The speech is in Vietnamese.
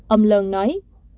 ông lơn nói